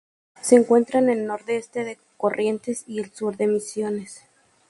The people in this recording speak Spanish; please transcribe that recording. Se encuentra en el nordeste de Corrientes, y el sur de Misiones.